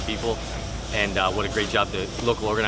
dan apa yang telah organisasi lokal lakukan